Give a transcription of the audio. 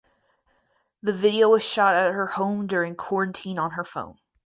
The video was shot at her home during quarantine on her phone.